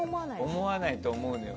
思わないと思うのよ。